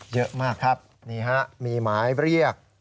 เยอะมากครับนี่ฮะมีหมายเรียก